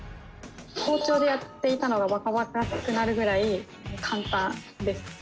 包丁でやっていたのがバカバカしくなるぐらい簡単です。